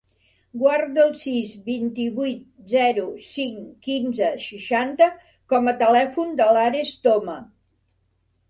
Guarda el sis, vint-i-vuit, zero, cinc, quinze, seixanta com a telèfon de l'Ares Toma.